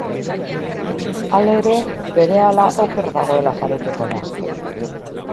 Halere, berehala oker dagoela jabetuko da.